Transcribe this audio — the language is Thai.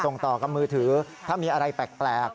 ต่อกับมือถือถ้ามีอะไรแปลก